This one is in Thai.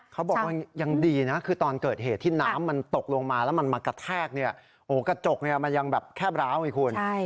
เขาบอกว่ายังดีนะคือตอนเกิดเหตุที่น้ำมันตกลงมาแล้วมันมากระแทกเนี่ยโอ้กระจกเนี่ยมันยังแบบแคบร้าวไงคุณ